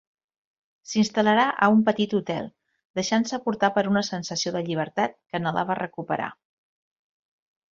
S'instal·larà a un petit hotel, deixant-se portar per una sensació de llibertat que anhelava recuperar.